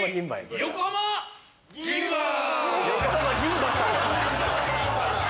横浜銀歯さん！